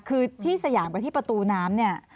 คือที่สยามกับที่ประตูน้ำเนี่ย